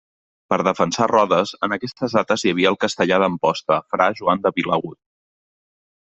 Per defensar Rodes, en aquestes dates hi havia el castellà d'Amposta, fra Joan de Vilagut.